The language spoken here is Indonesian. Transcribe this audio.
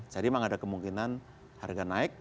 jadi memang ada kemungkinan harga naik